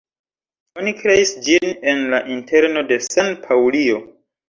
Oni kreis ĝin en la interno de San-Paŭlio.